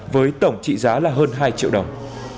với tổng trị giá là hơn hai triệu đồng